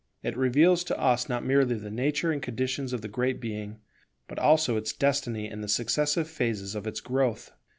It reveals to us not merely the nature and conditions of the Great Being, but also its destiny and the successive phases of its growth.